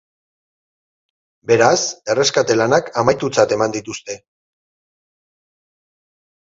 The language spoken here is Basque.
Beraz, erreskate-lanak amaitutzat eman dituzte.